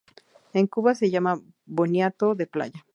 En Cuba se llama boniato de playa.